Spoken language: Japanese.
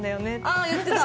あっ言ってた！